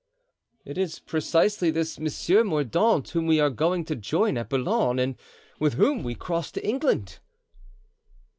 "It is precisely this Monsieur Mordaunt whom we are going to join at Boulogne and with whom we cross to England."